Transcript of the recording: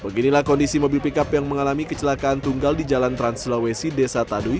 beginilah kondisi mobil pickup yang mengalami kecelakaan tunggal di jalan translawesi desa tadui